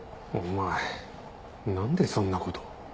お前何でそんなこと？